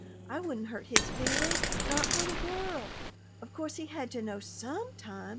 I wouldn't hurt his feelings! Not for the world! Of course he had to know SOME time!